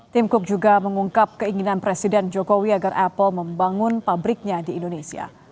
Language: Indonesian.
tim cook juga mengungkap keinginan presiden jokowi agar apple membangun pabriknya di indonesia